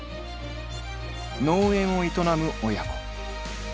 農園を営む親子。